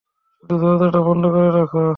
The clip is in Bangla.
শুধু দরজাটা বন্ধ করে রাখ।